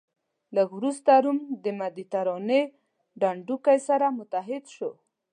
لږ وروسته روم د مدترانې ډنډوکی سره متحد شو.